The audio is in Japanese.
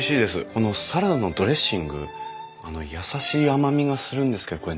このサラダのドレッシング優しい甘みがするんですけどこれ何が入ってるんですかね？